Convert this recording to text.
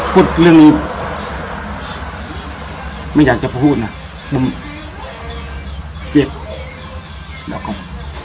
พูดเรื่องนี้ไม่อยากจะพูดนะผมเจ็บ